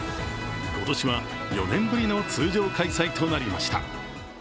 今年は４年ぶりの通常開催となりました。